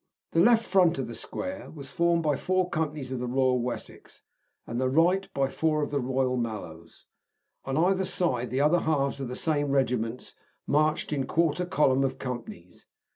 The left front of the square was formed by four companies of the Royal Wessex, and the right by four of the Royal Mallows. On either side the other halves of the same regiments marched in quarter column of companies.